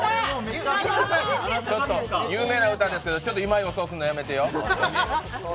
有名な歌ですけど、今、予想するのはやめてよ。